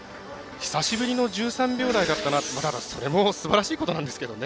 久しぶりの１３秒台だったなってそれもすばらしいことなんですけどね。